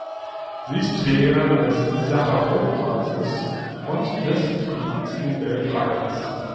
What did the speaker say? Sie ist Trägerin des Sacharow-Preises und des Friedensnobelpreises.